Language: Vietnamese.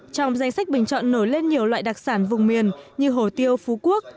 trong danh sách bình chọn nổi lên nhiều loại đặc sản vùng miền như hồ tiêu phú quốc